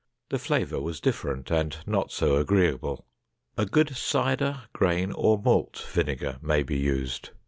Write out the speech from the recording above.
The flavor was different and not so agreeable. A good cider, grain, or malt vinegar may be used.